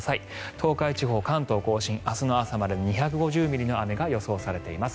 東海地方関東・甲信明日の朝までに２５０ミリの雨が予想されています。